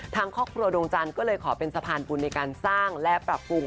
ทางครอบครัวดวงจันทร์ก็เลยขอเป็นสะพานบุญในการสร้างและปรับปรุง